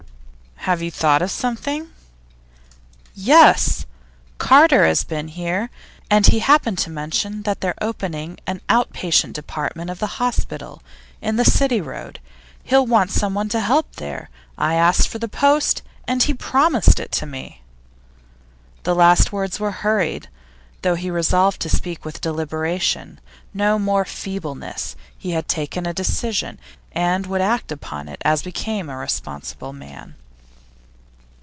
'Have you thought of something?' 'Yes. Carter has been here, and he happened to mention that they're opening an out patient department of the hospital, in the City Road. He'll want someone to help him there. I asked for the post, and he promised it me.' The last words were hurried, though he had resolved to speak with deliberation. No more feebleness; he had taken a decision, and would act upon it as became a responsible man.